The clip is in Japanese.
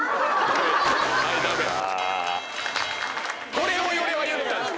これを俺は言ったんです。